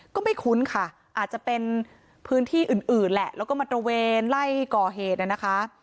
คุ้นค่ะอาจจะเป็นพื้นที่อื่นแหละแล้วก็มาตระเวนไล่ก่อเหตุนะคะ